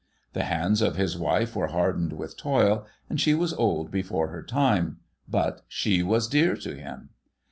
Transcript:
The hands of his wife were hardened with toil, and she was old before her time ; but she was dear to him.